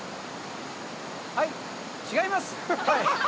はい、違います！